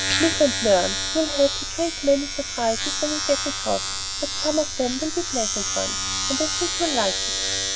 "Live and learn. You'll have a great many surprises when you get across, but some of them will be pleasant ones, and I think you'll like it.